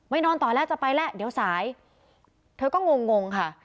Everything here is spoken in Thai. นอนต่อแล้วจะไปแล้วเดี๋ยวสายเธอก็งงงค่ะ